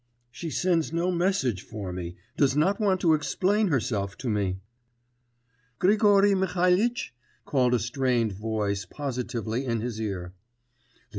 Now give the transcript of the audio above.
'She sends no message for me, does not want to explain herself to me....' 'Grigory Mihalitch,' called a strained voice positively in his ear.